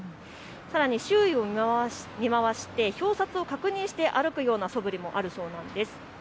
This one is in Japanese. さらに周囲を見回して表札を確認して歩くようなそぶりもあるそうなんです。